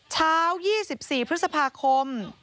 เช้า๒๔พฤษภาคม